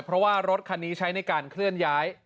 เพราะว่ารถคันนี้ใช้ในการเคลื่อนย้าย